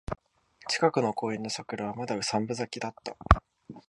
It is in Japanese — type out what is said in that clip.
近くの公園の桜はまだ三分咲きだった